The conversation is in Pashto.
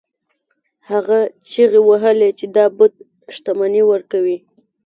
هغه چیغې وهلې چې دا بت شتمني ورکوي.